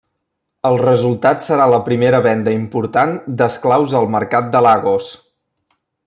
El resultat serà la primera venda important d'esclaus al mercat de Lagos.